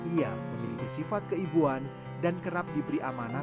ia memiliki sifat keibuan dan kerap diberi amanah